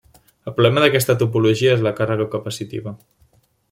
El problema d’aquesta topologia és la càrrega capacitiva.